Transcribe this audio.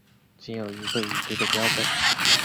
仅有一个已知的标本。